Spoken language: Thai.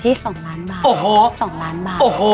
ดีละออกไหม